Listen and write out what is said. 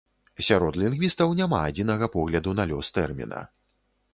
Сярод лінгвістаў няма адзінага погляду на лёс тэрміна.